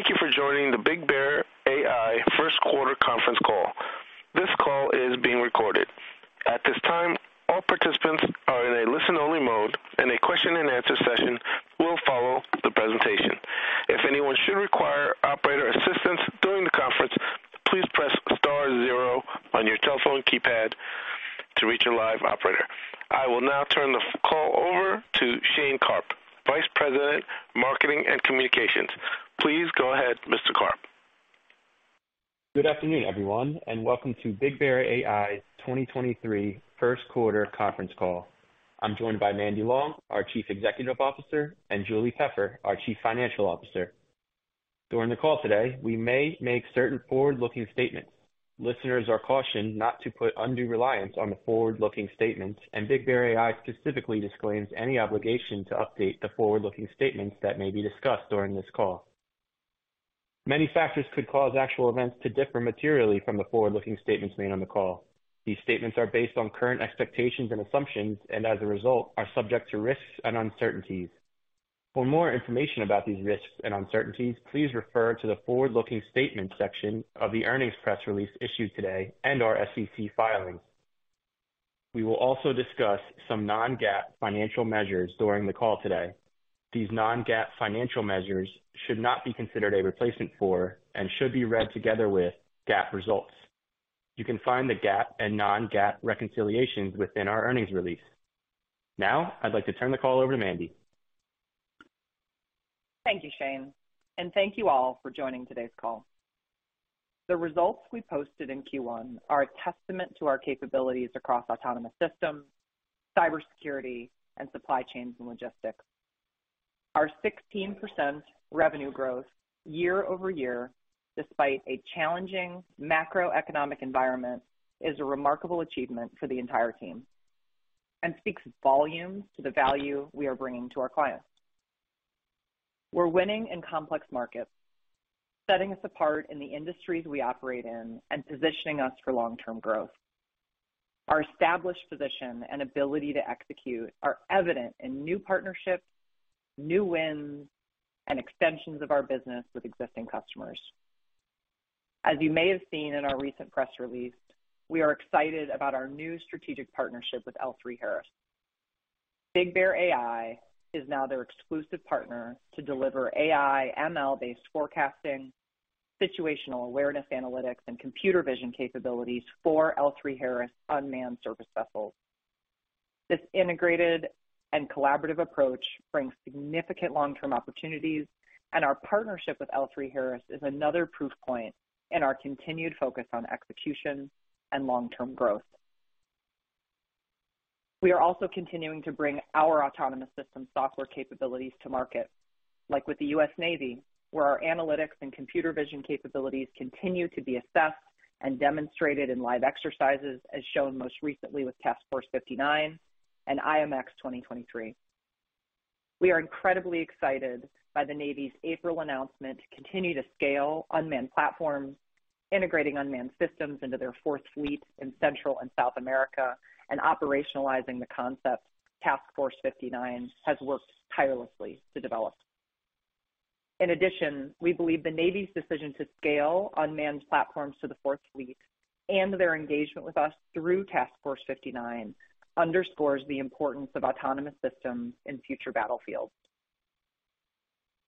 Thank you for joining the BigBear.ai First Quarter Conference Call. This call is being recorded. At this time, all participants are in a listen-only mode, a question and answer session will follow the presentation. If anyone should require operator assistance during the conference, please press star zero on your telephone keypad to reach a live operator. I will now turn the call over to Shane Karp, Vice President, Marketing and Communications. Please go ahead, Mr. Karp. Good afternoon, everyone. Welcome to BigBear.ai's 2023 First Quarter Conference Call. I'm joined by Mandy Long, our Chief Executive Officer, and Julie Peffer, our Chief Financial Officer. During the call today, we may make certain forward-looking statements. Listeners are cautioned not to put undue reliance on the forward-looking statements, and BigBear.ai specifically disclaims any obligation to update the forward-looking statements that may be discussed during this call. Many factors could cause actual events to differ materially from the forward-looking statements made on the call. These statements are based on current expectations and assumptions, and as a result are subject to risks and uncertainties. For more information about these risks and uncertainties, please refer to the Forward-Looking Statements section of the earnings press release issued today and our SEC filings. We will also discuss some non-GAAP financial measures during the call today. These non-GAAP financial measures should not be considered a replacement for and should be read together with GAAP results. You can find the GAAP and non-GAAP reconciliations within our earnings release. I'd like to turn the call over to Mandy. Thank you, Shane, and thank you all for joining today's call. The results we posted in Q1 are a testament to our capabilities across autonomous systems, cybersecurity, and supply chains and logistics. Our 16% revenue growth year-over-year, despite a challenging macroeconomic environment, is a remarkable achievement for the entire team and speaks volumes to the value we are bringing to our clients. We're winning in complex markets, setting us apart in the industries we operate in and positioning us for long-term growth. Our established position and ability to execute are evident in new partnerships, new wins, and extensions of our business with existing customers. As you may have seen in our recent press release, we are excited about our new strategic partnership with L3Harris. BigBear.ai is now their exclusive partner to deliver AI, ML-based forecasting, situational awareness analytics, and computer vision capabilities for L3Harris unmanned surface vessels. This integrated and collaborative approach brings significant long-term opportunities, and our partnership with L3Harris is another proof point in our continued focus on execution and long-term growth. We are also continuing to bring our autonomous systems software capabilities to market, like with the U.S. Navy, where our analytics and computer vision capabilities continue to be assessed and demonstrated in live exercises as shown most recently with Task Force 59 and IMX 2023. We are incredibly excited by the Navy's April announcement to continue to scale unmanned platforms, integrating unmanned systems into their Fourth Fleet in Central and South America, and operationalizing the concepts Task Force 59 has worked tirelessly to develop. We believe the Navy's decision to scale unmanned platforms to the Fourth Fleet and their engagement with us through Task Force 59 underscores the importance of autonomous systems in future battlefields.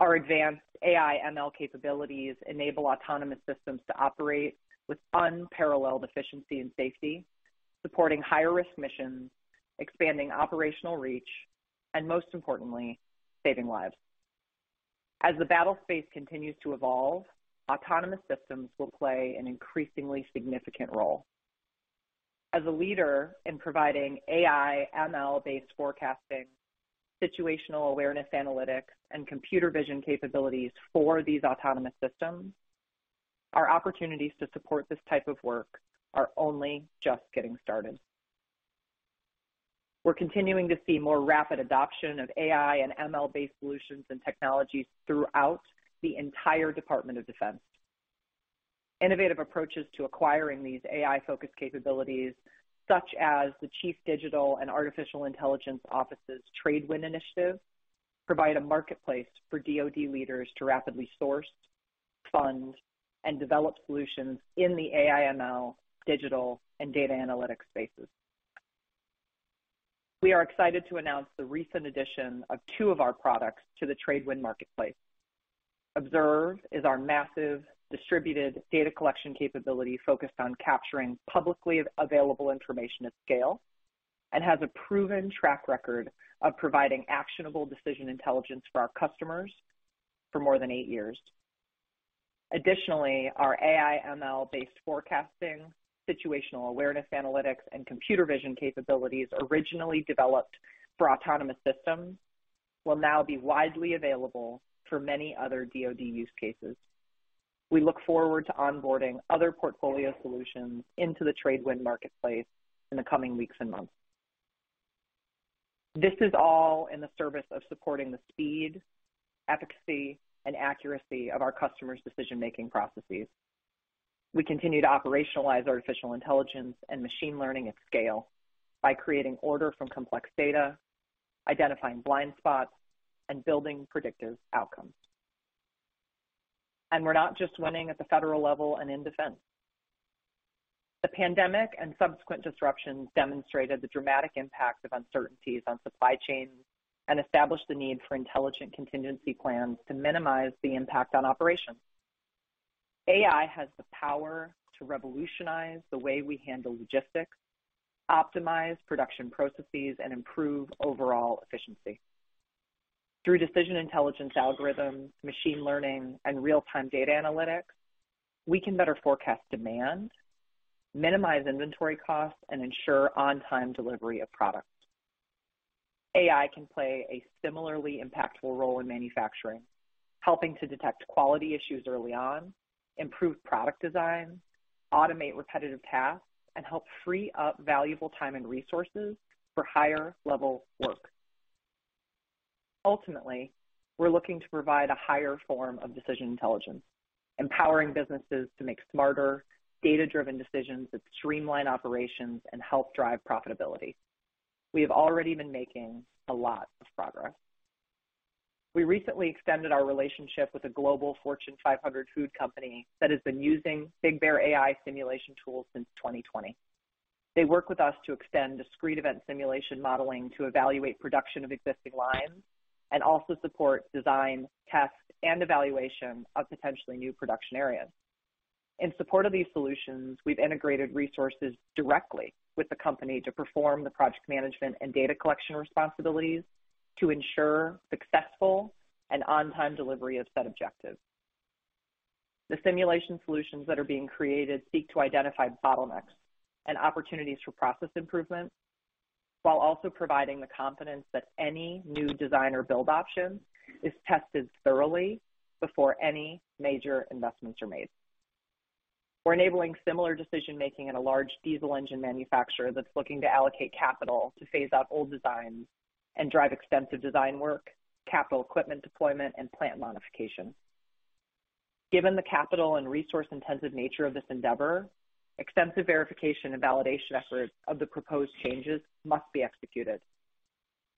Our advanced AI, ML capabilities enable autonomous systems to operate with unparalleled efficiency and safety, supporting higher-risk missions, expanding operational reach and most importantly, saving lives. As the battle space continues to evolve, autonomous systems will play an increasingly significant role. As a leader in providing AI, ML-based forecasting, situational awareness analytics, and computer vision capabilities for these autonomous systems, our opportunities to support this type of work are only just getting started. We're continuing to see more rapid adoption of AI and ML-based solutions and technologies throughout the entire Department of Defense. Innovative approaches to acquiring these AI-focused capabilities, such as the Chief Digital and Artificial Intelligence Office's Tradewinds initiative, provide a marketplace for DoD leaders to rapidly source, fund, and develop solutions in the AI, ML, digital, and data analytics spaces. We are excited to announce the recent addition of two of our products to the Tradewinds Marketplace. Observe is our massive distributed data collection capability focused on capturing publicly available information at scale and has a proven track record of providing actionable decision intelligence for our customers for more than 8 years. Our AI, ML-based forecasting, situational awareness analytics, and computer vision capabilities originally developed for autonomous systems will now be widely available for many other DoD use cases. We look forward to onboarding other portfolio solutions into the Tradewinds Marketplace in the coming weeks and months. This is all in the service of supporting the speed, efficacy, and accuracy of our customers' decision-making processes. We continue to operationalize artificial intelligence and machine learning at scale by creating order from complex data, identifying blind spots, and building predictive outcomes. We're not just winning at the federal level and in defense. The pandemic and subsequent disruptions demonstrated the dramatic impact of uncertainties on supply chains and established the need for intelligent contingency plans to minimize the impact on operations. AI has the power to revolutionize the way we handle logistics, optimize production processes, and improve overall efficiency. Through decision intelligence algorithms, machine learning, and real-time data analytics, we can better forecast demand, minimize inventory costs, and ensure on-time delivery of products. AI can play a similarly impactful role in manufacturing, helping to detect quality issues early on, improve product design, automate repetitive tasks, and help free up valuable time and resources for higher-level work. Ultimately, we're looking to provide a higher form of decision intelligence, empowering businesses to make smarter, data-driven decisions that streamline operations and help drive profitability. We have already been making a lot of progress. We recently extended our relationship with a global Fortune 500 food company that has been using BigBear.ai simulation tools since 2020. They work with us to extend discrete event simulation modeling to evaluate production of existing lines and also support design, test, and evaluation of potentially new production areas. In support of these solutions, we've integrated resources directly with the company to perform the project management and data collection responsibilities to ensure successful and on-time delivery of set objectives. The simulation solutions that are being created seek to identify bottlenecks and opportunities for process improvement while also providing the confidence that any new design or build option is tested thoroughly before any major investments are made. We're enabling similar decision-making in a large diesel engine manufacturer that's looking to allocate capital to phase out old designs and drive extensive design work, capital equipment deployment, and plant modification. Given the capital and resource-intensive nature of this endeavor, extensive verification and validation efforts of the proposed changes must be executed.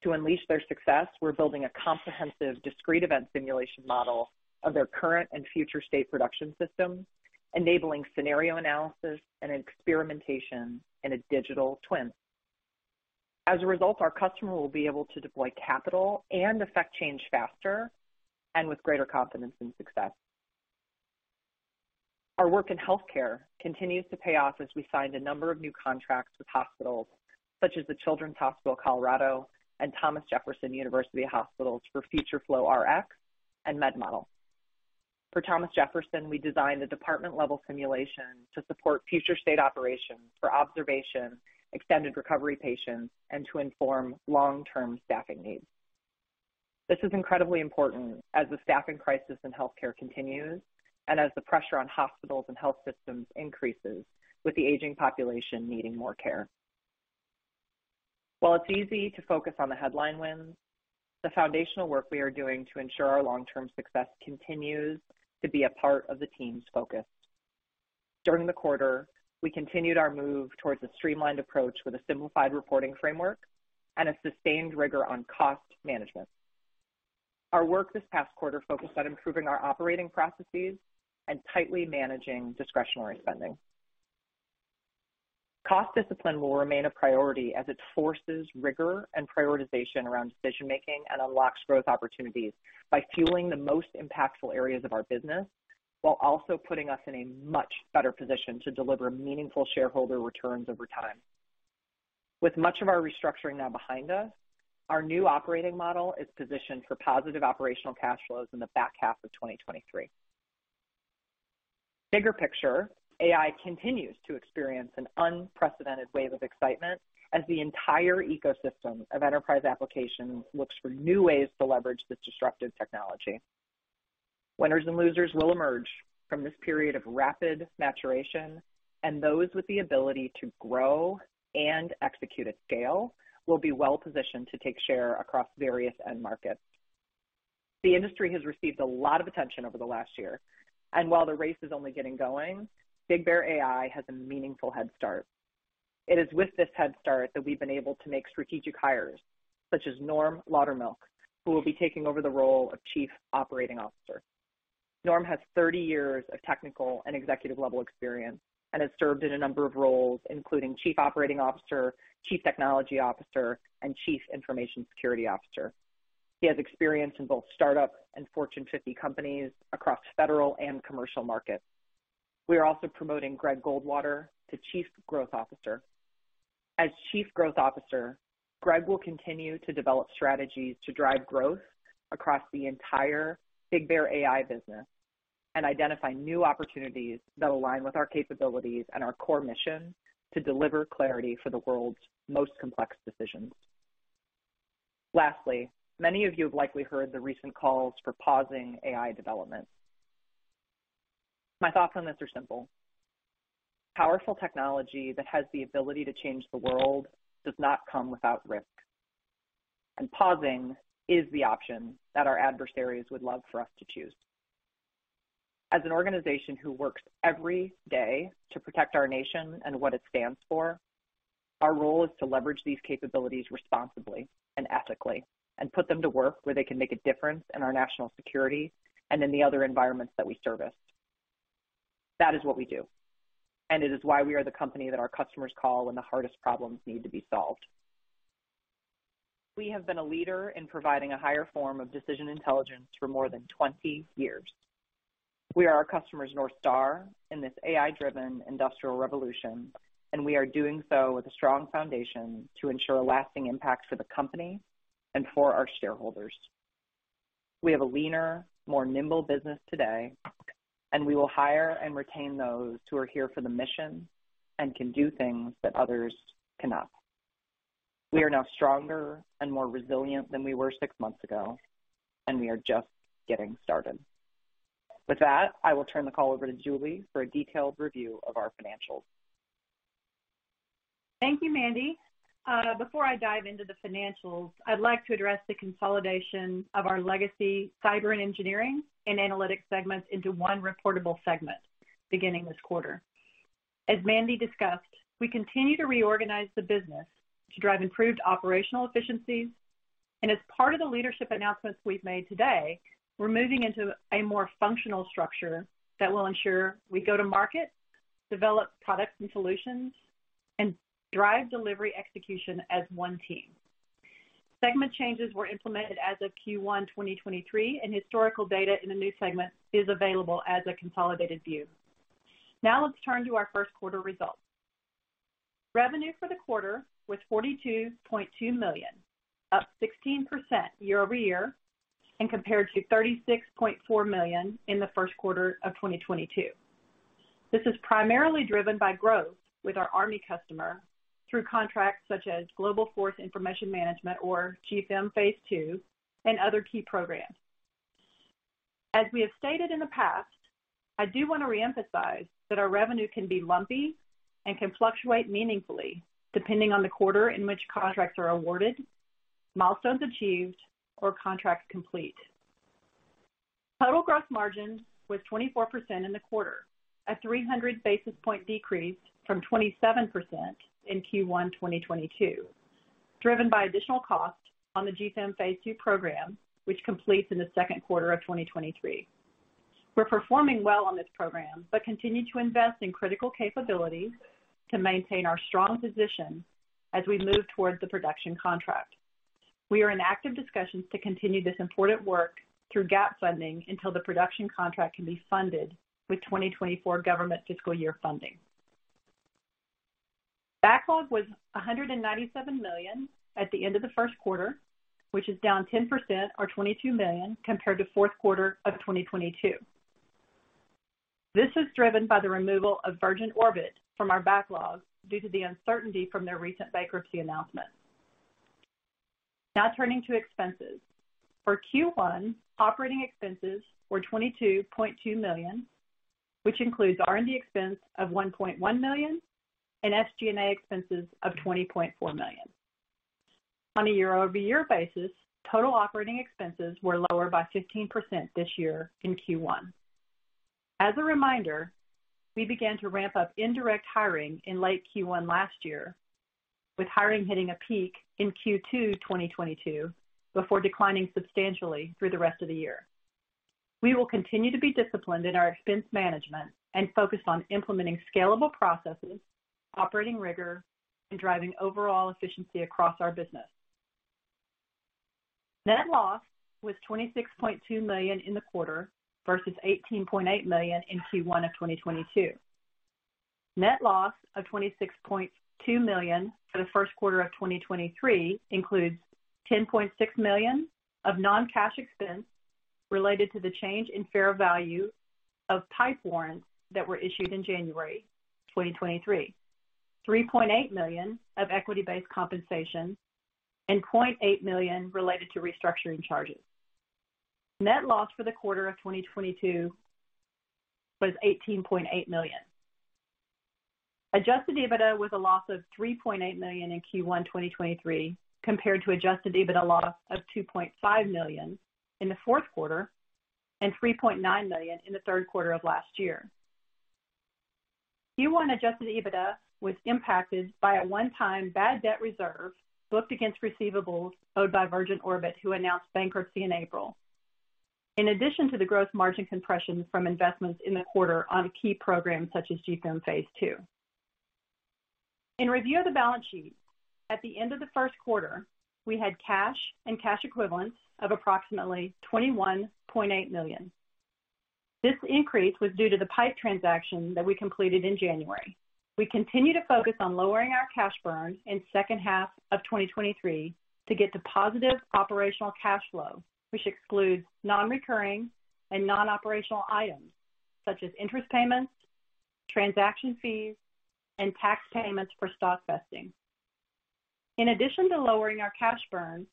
To unleash their success, we're building a comprehensive discrete event simulation model of their current and future state production systems, enabling scenario analysis and experimentation in a digital twin. As a result, our customer will be able to deploy capital and affect change faster and with greater confidence in success. Our work in healthcare continues to pay off as we signed a number of new contracts with hospitals such as the Children's Hospital Colorado and Thomas Jefferson University Hospitals for FutureFlow Rx and MedModel. For Thomas Jefferson, we designed a department-level simulation to support future state operations for observation, extended recovery patients, and to inform long-term staffing needs. This is incredibly important as the staffing crisis in healthcare continues and as the pressure on hospitals and health systems increases with the aging population needing more care. While it's easy to focus on the headline wins, the foundational work we are doing to ensure our long-term success continues to be a part of the team's focus. During the quarter, we continued our move towards a streamlined approach with a simplified reporting framework and a sustained rigor on cost management. Our work this past quarter focused on improving our operating processes and tightly managing discretionary spending. Cost discipline will remain a priority as it forces rigor and prioritization around decision-making and unlocks growth opportunities by fueling the most impactful areas of our business while also putting us in a much better position to deliver meaningful shareholder returns over time. With much of our restructuring now behind us, our new operating model is positioned for positive operational cash flows in the back half of 2023. Bigger picture, AI continues to experience an unprecedented wave of excitement as the entire ecosystem of enterprise applications looks for new ways to leverage this disruptive technology. Winners and losers will emerge from this period of rapid maturation, and those with the ability to grow and execute at scale will be well-positioned to take share across various end markets. The industry has received a lot of attention over the last year. While the race is only getting going, BigBear.ai has a meaningful head start. It is with this head start that we've been able to make strategic hires such as Norm Laudermilch, who will be taking over the role of Chief Operating Officer. Norm has 30 years of technical and executive level experience and has served in a number of roles, including chief operating officer, chief technology officer, and chief information security officer. He has experience in both startup and Fortune 50 companies across federal and commercial markets. We are also promoting Greg Goldwater to Chief Growth Officer. As Chief Growth Officer, Greg will continue to develop strategies to drive growth across the entire BigBear.ai business and identify new opportunities that align with our capabilities and our core mission to deliver clarity for the world's most complex decisions. Lastly, many of you have likely heard the recent calls for pausing AI development. My thoughts on this are simple: Powerful technology that has the ability to change the world does not come without risk. Pausing is the option that our adversaries would love for us to choose. As an organization who works every day to protect our nation and what it stands for, our role is to leverage these capabilities responsibly and ethically and put them to work where they can make a difference in our national security and in the other environments that we service. That is what we do, and it is why we are the company that our customers call when the hardest problems need to be solved. We have been a leader in providing a higher form of decision intelligence for more than 20 years. We are our customers' North Star in this AI-driven industrial revolution, and we are doing so with a strong foundation to ensure lasting impact for the company and for our shareholders. We have a leaner, more nimble business today, and we will hire and retain those who are here for the mission and can do things that others cannot. We are now stronger and more resilient than we were six months ago, and we are just getting started. With that, I will turn the call over to Julie for a detailed review of our financials. Thank you, Mandy. Before I dive into the financials, I'd like to address the consolidation of our legacy cyber and engineering and analytics segments into one reportable segment beginning this quarter. As Mandy discussed, we continue to reorganize the business to drive improved operational efficiencies. As part of the leadership announcements we've made today, we're moving into a more functional structure that will ensure we go to market, develop products and solutions, and drive delivery execution as one team. Segment changes were implemented as of Q1 2023, and historical data in the new segment is available as a consolidated view. Now let's turn to our first quarter results. Revenue for the quarter was $42.2 million, up 16% year-over-year and compared to $36.4 million in the first quarter of 2022. This is primarily driven by growth with our Army customer through contracts such as Global Force Information Management, or GFIM Phase 2, and other key programs. As we have stated in the past, I do want to reemphasize that our revenue can be lumpy and can fluctuate meaningfully depending on the quarter in which contracts are awarded, milestones achieved, or contracts complete. Total gross margin was 24% in the quarter, a 300 basis point decrease from 27% in Q1 2022, driven by additional costs on the GFIM Phase 2 program, which completes in the second quarter of 2023. We're performing well on this program, but continue to invest in critical capabilities to maintain our strong position as we move towards the production contract. We are in active discussions to continue this important work through gap funding until the production contract can be funded with 2024 government fiscal year funding. Backlog was $197 million at the end of the first quarter, which is down 10% or $22 million compared to fourth quarter of 2022. This is driven by the removal of Virgin Orbit from our backlog due to the uncertainty from their recent bankruptcy announcement. Now turning to expenses. For Q1, operating expenses were $22.2 million, which includes R&D expense of $1.1 million and SG&A expenses of $20.4 million. On a year-over-year basis, total operating expenses were lower by 15% this year in Q1. As a reminder, we began to ramp up indirect hiring in late Q1 last year, with hiring hitting a peak in Q2 2022, before declining substantially through the rest of the year. We will continue to be disciplined in our expense management and focus on implementing scalable processes, operating rigor, and driving overall efficiency across our business. Net loss was $26.2 million in the quarter versus $18.8 million in Q1 of 2022. Net loss of $26.2 million for the first quarter of 2023 includes $10.6 million of non-cash expense related to the change in fair value of PIPE warrants that were issued in January 2023, $3.8 million of equity-based compensation, and $0.8 million related to restructuring charges. Net loss for the quarter of 2022 was $18.8 million. Adjusted EBITDA was a loss of $3.8 million in Q1 2023, compared to Adjusted EBITDA loss of $2.5 million in the fourth quarter and $3.9 million in the third quarter of last year. Q1 Adjusted EBITDA was impacted by a one-time bad debt reserve booked against receivables owed by Virgin Orbit, who announced bankruptcy in April. In addition to the gross margin compression from investments in the quarter on key programs such as GFIM Phase 2. In review of the balance sheet, at the end of the first quarter, we had cash and cash equivalents of approximately $21.8 million. This increase was due to the PIPE transaction that we completed in January. We continue to focus on lowering our cash burn in second half of 2023 to get to positive operational cash flow, which excludes non-recurring and non-operational items such as interest payments, transaction fees, and tax payments for stock vesting. In addition to lowering our cash burn,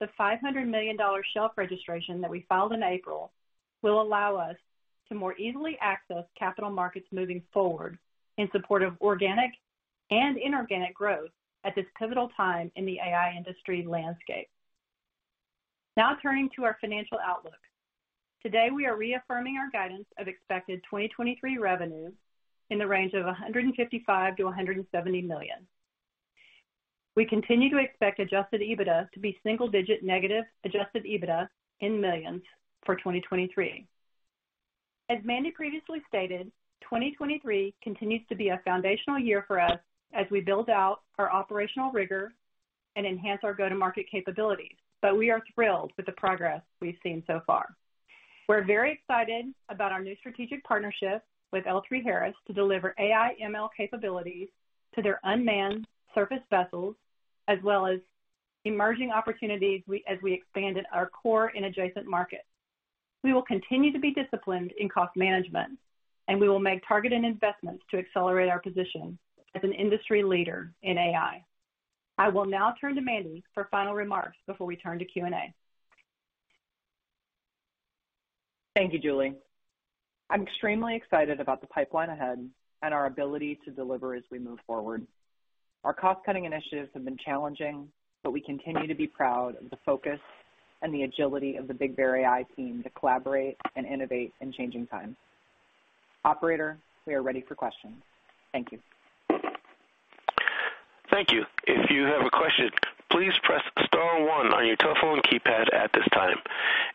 the $500 million shelf registration that we filed in April will allow us to more easily access capital markets moving forward in support of organic and inorganic growth at this pivotal time in the AI industry landscape. Now turning to our financial outlook. Today, we are reaffirming our guidance of expected 2023 revenues in the range of $155 million-$170 million. We continue to expect Adjusted EBITDA to be single-digit negative Adjusted EBITDA in millions for 2023. As Mandy previously stated, 2023 continues to be a foundational year for us as we build out our operational rigor and enhance our go-to-market capabilities. We are thrilled with the progress we've seen so far. We're very excited about our new strategic partnership with L3Harris to deliver AI ML capabilities to their unmanned surface vessels, as well as emerging opportunities as we expand in our core and adjacent markets. We will continue to be disciplined in cost management, and we will make targeted investments to accelerate our position as an industry leader in AI. I will now turn to Mandy for final remarks before we turn to Q&A. Thank you, Julie. I'm extremely excited about the pipeline ahead and our ability to deliver as we move forward. Our cost-cutting initiatives have been challenging. We continue to be proud of the focus and the agility of the BigBear.ai team to collaborate and innovate in changing times. Operator, we are ready for questions. Thank you. Thank you. If you have a question, please press star one on your telephone keypad at this time.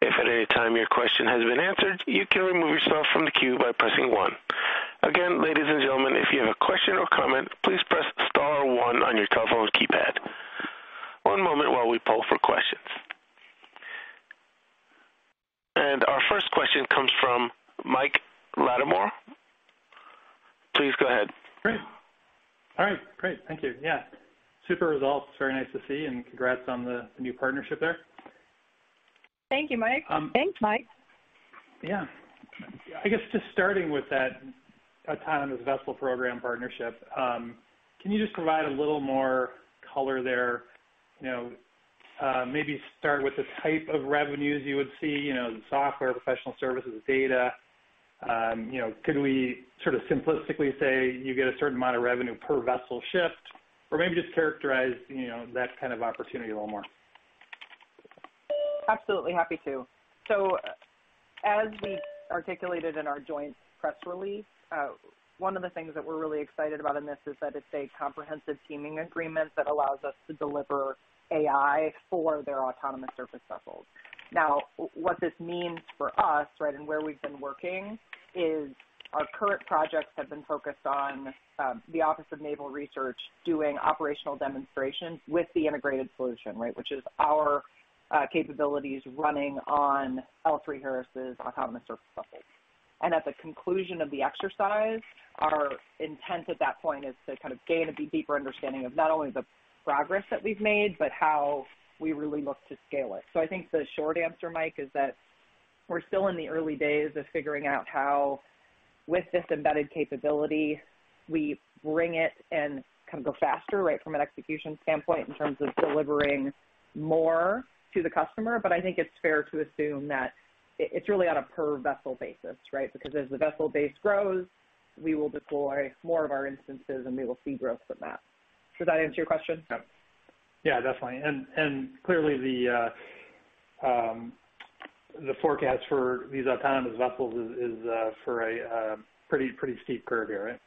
If at any time your question has been answered, you can remove yourself from the queue by pressing one. Again, ladies and gentlemen, if you have a question or comment, please press star one on your telephone keypad. One moment while we poll for questions. Our first question comes from Mike Latimore. Please go ahead. Great. All right, great. Thank you. Yeah. Super results. Very nice to see and congrats on the new partnership there. Thank you, Mike. Thanks, Mike. Yeah. I guess just starting with that autonomous vessel program partnership, can you just provide a little more color there? You know, maybe start with the type of revenues you would see, you know, the software, professional services, data. You know, could we sort of simplistically say you get a certain amount of revenue per vessel shift? Or maybe just characterize, you know, that kind of opportunity a little more. Absolutely happy to. As we articulated in our joint press release, one of the things that we're really excited about in this is that it's a comprehensive teaming agreement that allows us to deliver AI for their autonomous surface vessels. Now what this means for us, right, and where we've been working is our current projects have been focused on the Office of Naval Research doing operational demonstrations with the integrated solution, right? Which is our capabilities running on L3Harris' autonomous surface vessels. At the conclusion of the exercise, our intent at that point is to kind of gain a deeper understanding of not only the progress that we've made, but how we really look to scale it. I think the short answer, Mike, is that we're still in the early days of figuring out how with this embedded capability, we bring it and kind of go faster, right, from an execution standpoint in terms of delivering more to the customer. I think it's fair to assume that it's really on a per vessel basis, right? Because as the vessel base grows, we will deploy more of our instances and we will see growth from that. Does that answer your question? Yeah, definitely. Clearly the forecast for these autonomous vessels is for a pretty steep curve here, right?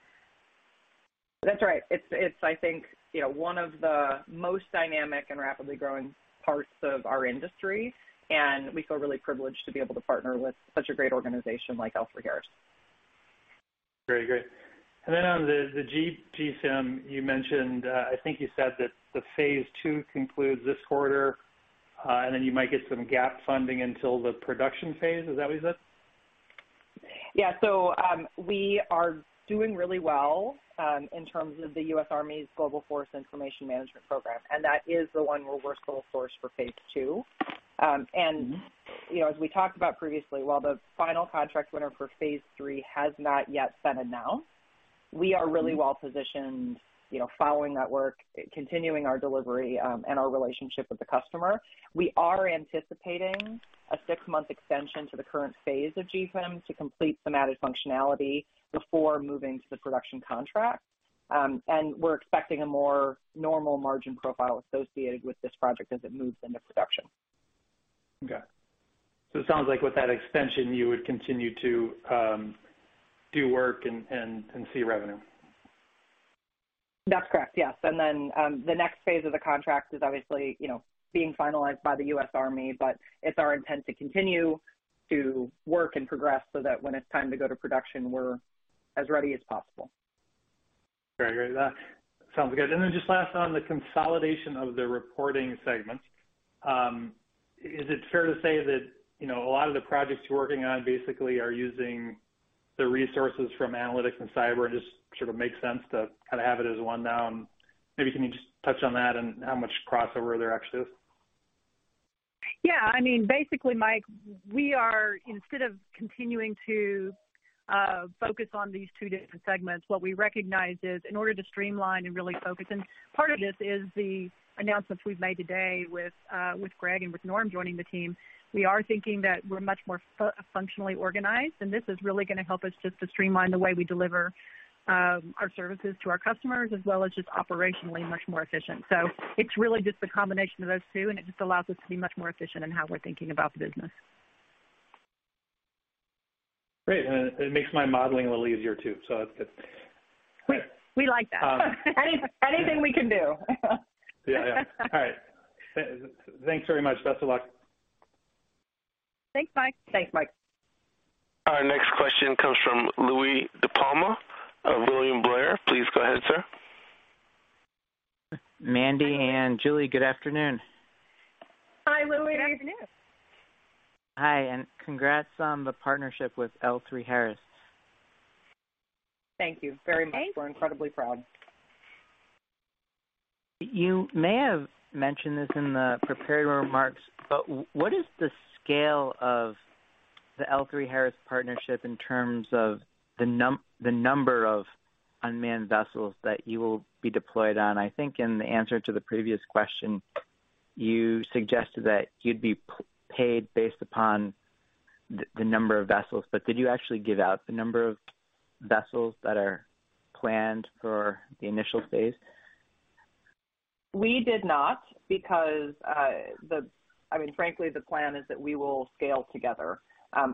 That's right. It's, I think, you know, one of the most dynamic and rapidly growing parts of our industry, and we feel really privileged to be able to partner with such a great organization like L3Harris. Very good. On the GFIM you mentioned, I think you said that the Phase 2 concludes this quarter, and then you might get some gap funding until the production phase. Is that what you said? Yeah. We are doing really well, in terms of the U.S. Army's Global Force Information Management program. That is the one where we're sole source for Phase 2. Mm-hmm. You know, as we talked about previously, while the final contract winner for phase three has not yet been announced, we are really well positioned, you know, following that work, continuing our delivery, and our relationship with the customer. We are anticipating a six-month extension to the current phase of GFIM to complete some added functionality before moving to the production contract. We're expecting a more normal margin profile associated with this project as it moves into production. It sounds like with that extension, you would continue to do work and see revenue. That's correct, yes. The next phase of the contract is obviously, you know, being finalized by the U.S. Army, but it's our intent to continue to work and progress so that when it's time to go to production, we're as ready as possible. Very good. That sounds good. Just last on the consolidation of the reporting segments. Is it fair to say that, you know, a lot of the projects you're working on basically are using the resources from Analytics and Cyber and just sort of makes sense to kind of have it as one now? Maybe can you just touch on that and how much crossover there actually is? Yeah. I mean, basically, Mike, we are instead of continuing to. Focus on these two different segments. What we recognize is in order to streamline and really focus, and part of this is the announcements we've made today with Greg and with Norm joining the team. We are thinking that we're much more functionally organized, and this is really gonna help us just to streamline the way we deliver our services to our customers as well as just operationally much more efficient. It's really just the combination of those two, and it just allows us to be much more efficient in how we're thinking about the business. Great. It makes my modeling a little easier too, so that's good. We like that. Anything we can do. Yeah. Yeah. All right. Thanks very much. Best of luck. Thanks, Mike. Thanks, Mike. Our next question comes from Louie DiPalma of William Blair. Please go ahead, sir. Mandy and Julie, good afternoon. Hi, Louie. Good afternoon. Hi, congrats on the partnership with L3Harris. Thank you very much. Thank you. We're incredibly proud. You may have mentioned this in the prepared remarks, but what is the scale of the L3Harris partnership in terms of the number of unmanned vessels that you will be deployed on? I think in the answer to the previous question, you suggested that you'd be paid based upon the number of vessels. Did you actually give out the number of vessels that are planned for the initial phase? We did not because, I mean, frankly, the plan is that we will scale together.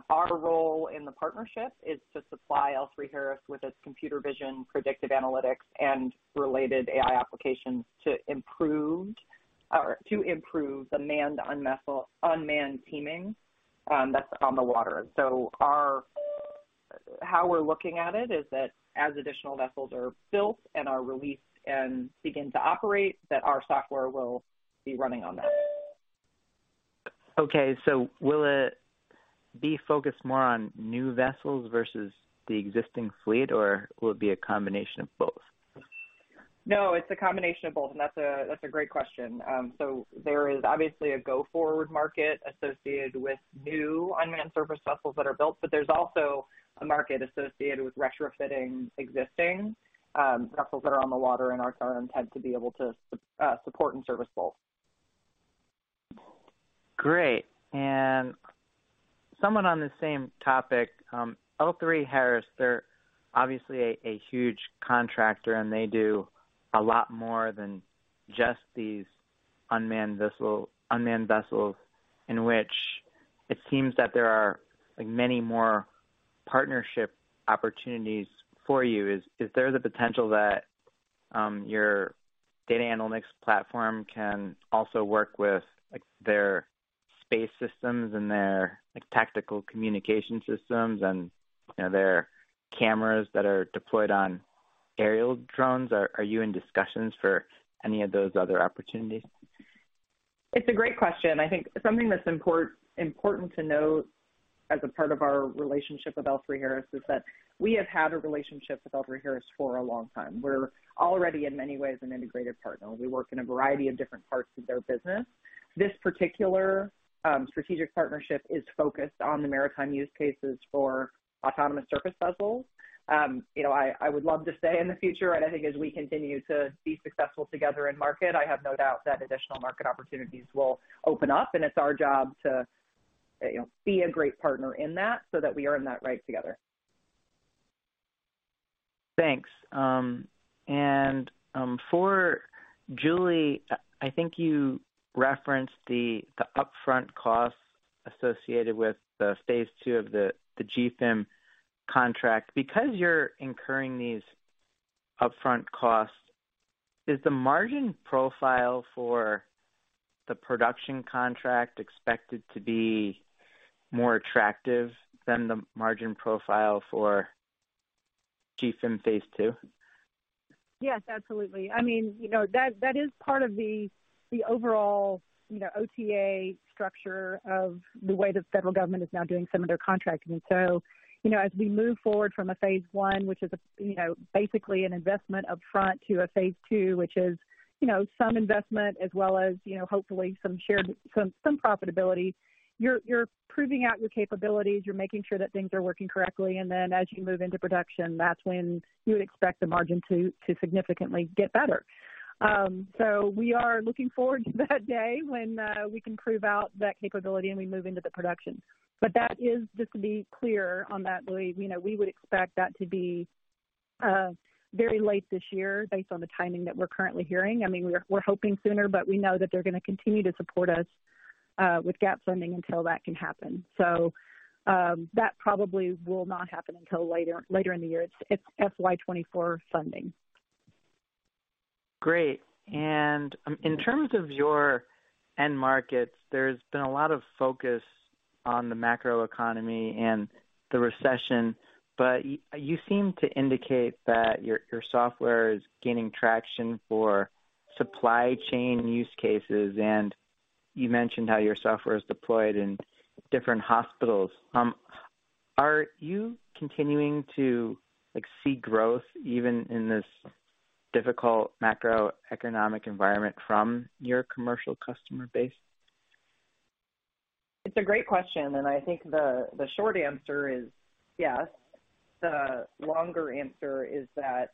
Our role in the partnership is to supply L3Harris with its computer vision, predictive analytics, and related AI applications to improve the manned-unmanned teaming that's on the water. How we're looking at it is that as additional vessels are built and are released and begin to operate, that our software will be running on that. Will it be focused more on new vessels versus the existing fleet, or will it be a combination of both? No, it's a combination of both, and that's a great question. There is obviously a go-forward market associated with new unmanned surface vessels that are built, but there's also a market associated with retrofitting existing vessels that are on the water, and our current intent to be able to support and service both. Great. Somewhat on the same topic, L3Harris, they're obviously a huge contractor, and they do a lot more than just these unmanned vessels, in which it seems that there are, like, many more partnership opportunities for you. Is there the potential that your data analytics platform can also work with, like, their space systems and their, like, tactical communication systems and, you know, their cameras that are deployed on aerial drones? Are you in discussions for any of those other opportunities? It's a great question. I think something that's important to note as a part of our relationship with L3Harris is that we have had a relationship with L3Harris for a long time. We're already in many ways an integrated partner. We work in a variety of different parts of their business. This particular strategic partnership is focused on the maritime use cases for autonomous surface vessels. You know, I would love to say in the future, and I think as we continue to be successful together in market, I have no doubt that additional market opportunities will open up, and it's our job to, you know, be a great partner in that so that we earn that right together. Thanks. For Julie, I think you referenced the upfront costs associated with the Phase 2 of the GFIM contract. You're incurring these upfront costs, is the margin profile for the production contract expected to be more attractive than the margin profile for GFIM Phase 2? Yes, absolutely. I mean, you know, that is part of the overall, you know, OTA structure of the way the federal government is now doing some of their contracting. As we move forward from a Phase 1, which is a, you know, basically an investment upfront to a Phase 2, which is, you know, some investment as well as, you know, hopefully some profitability, you're proving out your capabilities. You're making sure that things are working correctly. Then as you move into production, that's when you would expect the margin to significantly get better. We are looking forward to that day when we can prove out that capability and we move into the production. That is, just to be clear on that, Louie, you know, we would expect that to be very late this year based on the timing that we're currently hearing. I mean, we're hoping sooner, but we know that they're gonna continue to support us with gap funding until that can happen. That probably will not happen until later in the year. It's FY 2024 funding. Great. In terms of your end markets, there's been a lot of focus on the macroeconomy and the recession, but you seem to indicate that your software is gaining traction for supply chain use cases, and you mentioned how your software is deployed in different hospitals. Are you continuing to, like, see growth even in this difficult macroeconomic environment from your commercial customer base? It's a great question, and I think the short answer is yes. The longer answer is that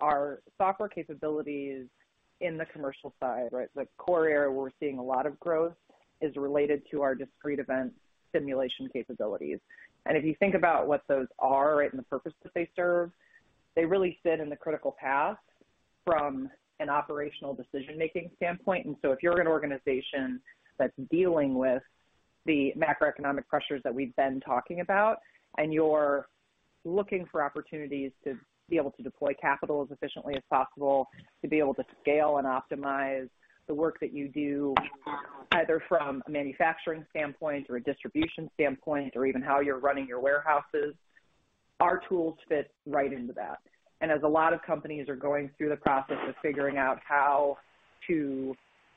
our software capabilities in the commercial side, right. The core area where we're seeing a lot of growth is related to our discrete event simulation capabilities. If you think about what those are, right, and the purpose that they serve, they really sit in the critical path from an operational decision-making standpoint. So if you're an organization that's dealing with the macroeconomic pressures that we've been talking about, and you're looking for opportunities to be able to deploy capital as efficiently as possible, to be able to scale and optimize the work that you do, either from a manufacturing standpoint or a distribution standpoint, or even how you're running your warehouses, our tools fit right into that. As a lot of companies are going through the process of figuring out how to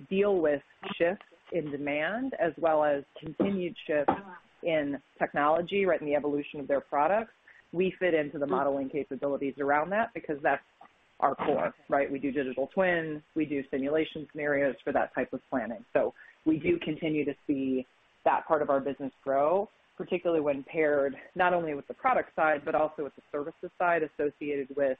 deal with shifts in demand as well as continued shifts in technology, right, and the evolution of their products, we fit into the modeling capabilities around that because that's our core, right. We do digital twins, we do simulation scenarios for that type of planning. We do continue to see that part of our business grow, particularly when paired not only with the product side but also with the services side associated with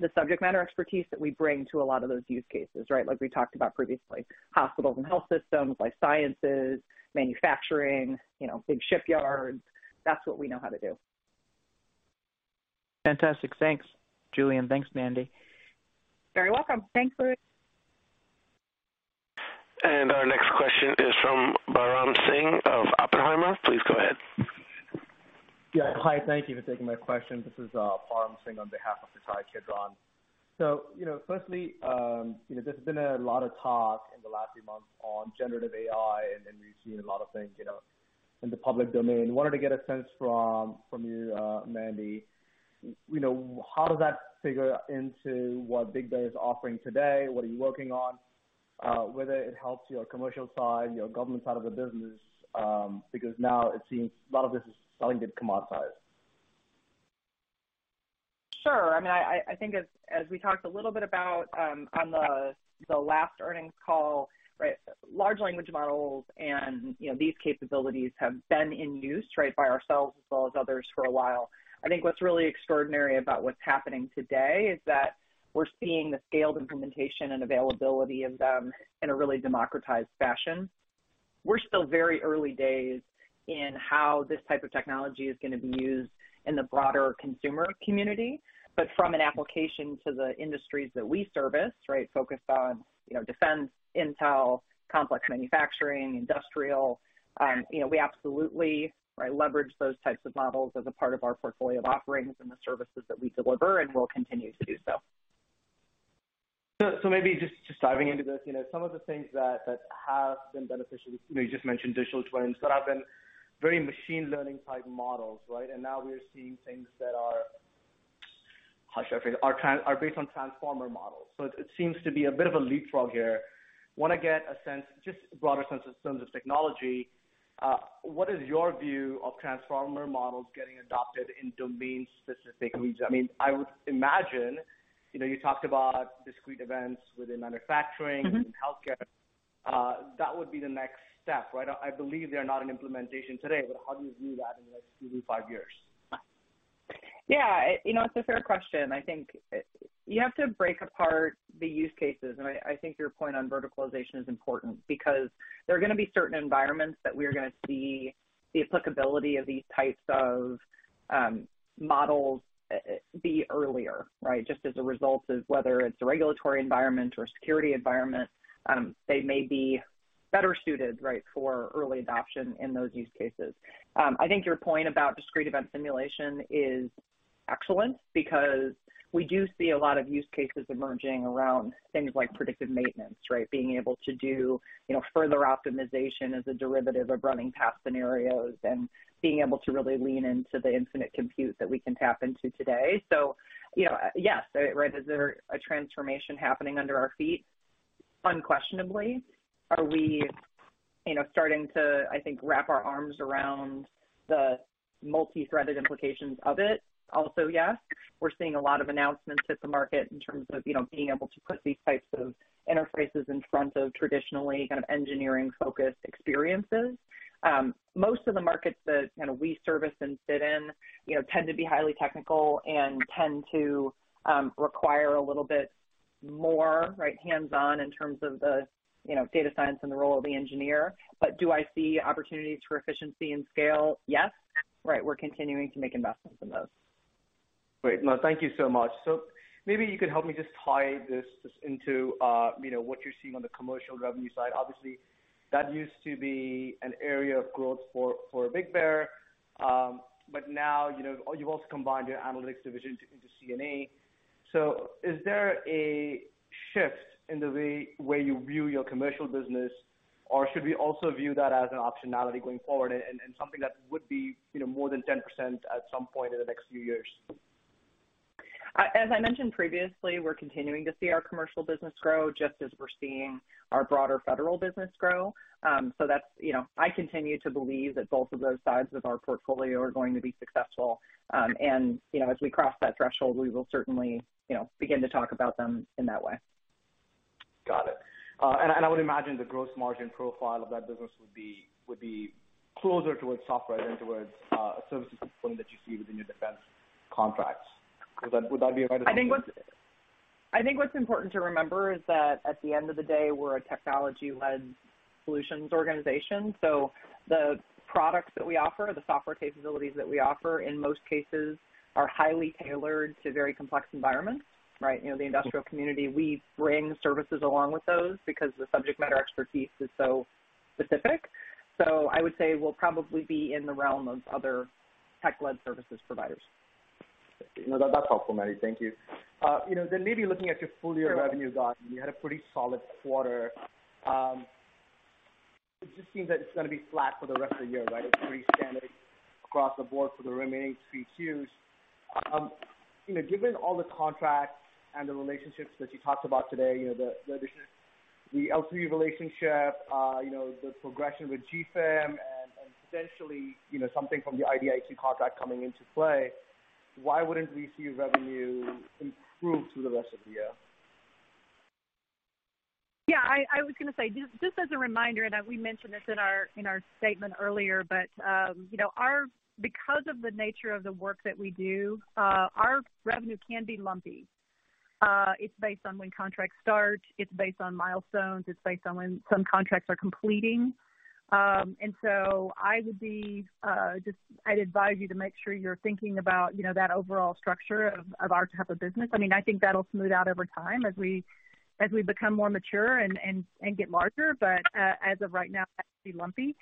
the subject matter expertise that we bring to a lot of those use cases, right. Like we talked about previously, hospitals and health systems, life sciences, manufacturing, you know, big shipyards. That's what we know how to do. Fantastic. Thanks, Julie. Thanks, Mandy. Very welcome. Thanks, Louie. Our next question is from Param Singh of Oppenheimer. Please go ahead. Yeah. Hi. Thank you for taking my question. This is Param Singh on behalf of [Ittai Kidron]. So, you know, firstly, there's been a lot of talk in the last few months on generative AI and then you've seen a lot of things in the public domain. I wanted to get a sense from you, Mandy. How does that figure into what BigBear is offering today? What are you working on, whether it helps your commercial side, your government side of the business because now it seems a lot of this is, selling commoditize. Sure, I mean, I think as we talked a little bit about on the last earnings call, right, large language models and these capabilities have been in use, right, by ourselves as well as others for a while. I think what's really extraordinary about what's happening today is that we're seeing the scaled implementation and availability of them in a really democratized fashion. We're still very early days in how this type of technology is going to be used in the broader consumer community. But from an application to the industries that we service, right, focused on defense, intel, complex manufacturing, industrial, we absolutely leverage those types of models as a part of our portfolio of offerings and the services that we deliver and we'll continue to do so. So maybe just diving into that, some of the things that have been beneficial, you just mentioned digital twins that have been very machine learning type model. And now we're seeing things that are based on transformer model. So it seems to be a bit of leagfrog here. I want to get a sense just broader in terms of technology, what is your view of transformer models getting adopted in domain-specific region? I mean I would imagine you talked about discreet events within manufacturing and health care, that would be the next step, right? I believe they are not an implementation today, but how do you view that in like two to five years? Yes. It's a fair question. I think you have to break a part the use cases. And I think your point on verticalization is important because there are going to be certain environments that we are going to see the applicability of these types of models be earlier, right, just as a result of whether it's a regulatory environment or security environment, they may be better-suited, right, for early adoption in those use cases. I think your point about discrete event simulation is excellent because we do see a lot of use cases emerging around things like predictive maintenance, right, being able to do further optimization as a derivative of running past scenarios and being able to really lean into the infinite compute that we can tap into today. So yes, it is there a transformation happening under our feet? Unquestionably. Are we starting to, I think, wrap our arms around the multi-threaded implications of it. Also, yes. We're seeing a lot of announcements to the market in terms of being able to put these types of interfaces in front of traditionally kind of engineering-focused experiences. Most of the markets that kind of we service and fit in tend to be highly technical and tend to require a little bit more, right, hands-on in terms of the data science and the role of the engineer. But do I see opportunities for efficiency and scale? Yes, right. We're continuing to make investments in those. No, thank you so much. Maybe you could help me just tie this just into, you know, what you're seeing on the commercial revenue side. Obviously, that used to be an area of growth for BigBear, but now, you know, you've also combined your analytics division into C&A. Is there a shift in the way you view your commercial business? Or should we also view that as an optionality going forward and something that would be, you know, more than 10% at some point in the next few years? As I mentioned previously, we're continuing to see our commercial business grow, just as we're seeing our broader federal business grow. You know, I continue to believe that both of those sides of our portfolio are going to be successful. You know, as we cross that threshold, we will certainly, you know, begin to talk about them in that way. Got it. I would imagine the gross margin profile of that business would be closer towards software than towards services point that you see within your defense contracts. Would that be a right assumption? I think what's important to remember is that at the end of the day, we're a technology-led solutions organization. The products that we offer, the software capabilities that we offer, in most cases are highly tailored to very complex environments, right? You know, the industrial community, we bring services along with those because the subject matter expertise is so specific. I would say we'll probably be in the realm of other tech-led services providers. No, that's helpful, Mandy. Thank you. you know, maybe looking at your full year revenue guide, and you had a pretty solid quarter. It just seems that it's gonna be flat for the rest of the year, right? It's pretty standard across the board for the remaining [3Qs]. you know, given all the contracts and the relationships that you talked about today, you know, the addition, the L3 relationship, you know, the progression with GFIM and potentially, you know, something from the [IDIQ] contract coming into play, why wouldn't we see revenue improve through the rest of the year? I was gonna say, just as a reminder, we mentioned this in our statement earlier, you know, because of the nature of the work that we do, our revenue can be lumpy. It's based on when contracts start, it's based on milestones, it's based on when some contracts are completing. I would be, just I'd advise you to make sure you're thinking about, you know, that overall structure of our type of business. I mean, I think that'll smooth out over time as we become more mature and get larger. As of right now, it's pretty lumpy.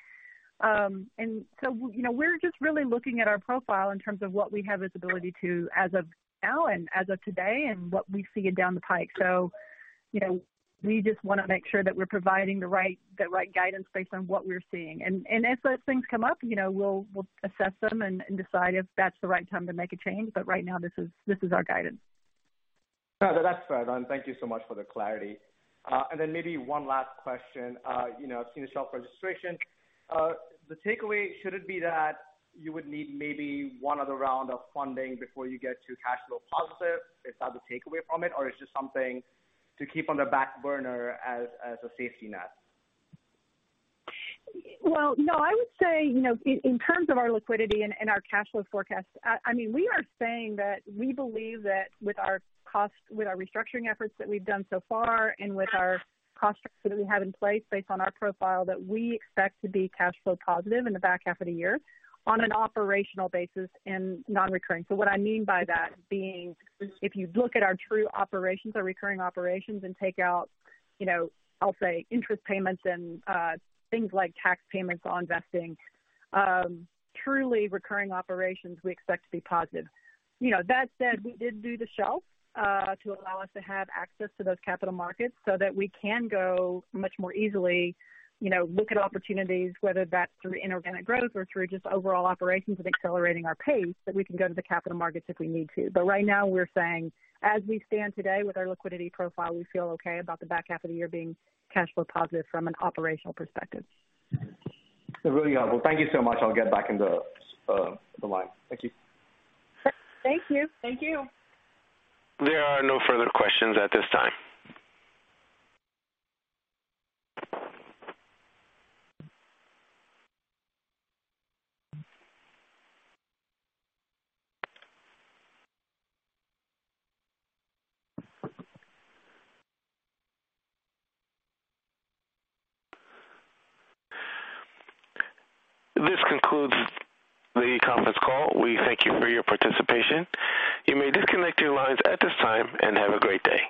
You know, we're just really looking at our profile in terms of what we have as ability to as of now and as of today and what we see down the pike. You know, we just wanna make sure that we're providing the right guidance based on what we're seeing. As those things come up, you know, we'll assess them and decide if that's the right time to make a change. Right now, this is our guidance. No, that's fair. Thank you so much for the clarity. Maybe one last question. You know, I've seen the shelf registration. The takeaway, should it be that you would need maybe one other round of funding before you get to cash flow positive? Is that the takeaway from it? It's just something to keep on the back burner as a safety net? Well, no, I would say, you know, in terms of our liquidity and our cash flow forecast, I mean, we are saying that we believe that with our restructuring efforts that we've done so far and with our cost structure that we have in place based on our profile, that we expect to be cash flow positive in the back half of the year on an operational basis and non-recurring. What I mean by that being, if you look at our true operations, our recurring operations, and take out, you know, I'll say interest payments and things like tax payments on investing, truly recurring operations, we expect to be positive. You know, that said, we did do the shelf to allow us to have access to those capital markets so that we can go much more easily, you know, look at opportunities, whether that's through inorganic growth or through just overall operations and accelerating our pace, that we can go to the capital markets if we need to. Right now we're saying, as we stand today with our liquidity profile, we feel okay about the back half of the year being cash flow positive from an operational perspective. Really helpful. Thank you so much. I'll get back in the line. Thank you. Thank you. Thank you. There are no further questions at this time. This concludes the conference call. We thank you for your participation. You may disconnect your lines at this time and have a great day.